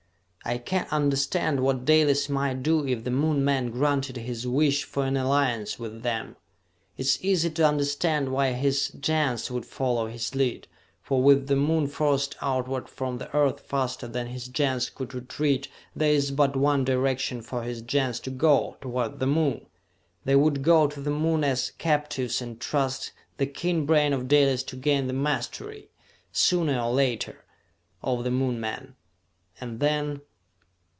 I can understand what Dalis might do if the Moon men granted his wish for an alliance with them. It is easy to understand why his Gens would follow his lead, for with the Moon forced outward from the Earth faster than his Gens could retreat, there is but one direction for his Gens to go toward the Moon! They would go to the Moon as captives and trust the keen brain of Dalis to gain the mastery, sooner or later, over the Moon men. And then...."